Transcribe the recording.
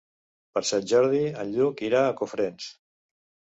Per Sant Jordi en Lluc irà a Cofrents.